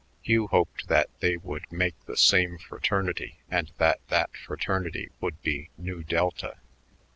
Hugh hoped that they would "make" the same fraternity and that that fraternity would be Nu Delta.